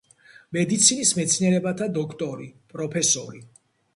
მედიცინის მეცნიერებათა დოქტორი, პროფესორი.